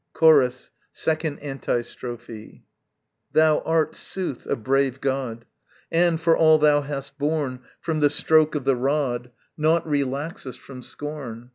Chorus, 2nd Antistrophe. Thou art, sooth, a brave god, And, for all thou hast borne From the stroke of the rod, Nought relaxest from scorn.